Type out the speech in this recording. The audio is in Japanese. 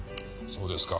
そうですか。